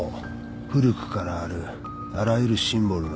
古くからあるあらゆるシンボルの基本だ